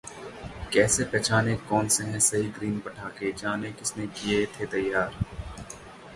कैसे पहचानें कौन से हैं सही ग्रीन पटाखे, जानें- किसने किए थे तैयार